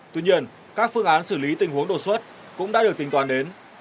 tuy nhiên các phương án xử lý tình huống đột xuất cũng đã được tính toàn đến